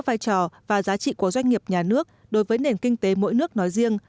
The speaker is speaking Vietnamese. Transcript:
vai trò và giá trị của doanh nghiệp nhà nước đối với nền kinh tế mỗi nước nói riêng